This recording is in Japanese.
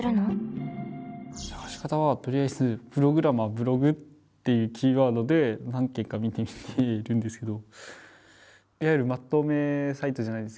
探し方はとりあえず「プログラマー」「ブログ」っていうキーワードで何件か見てみているんですけど。